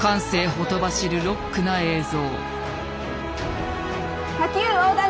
ほとばしるロックな映像。